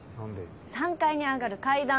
３階に上がる階段！